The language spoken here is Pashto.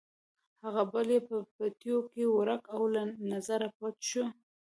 هغه بل یې په پټیو کې ورک او له نظره پټ شو.